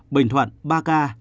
bình thuận ba ca